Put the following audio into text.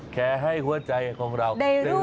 แค่ให้หัวใจของเราได้รู้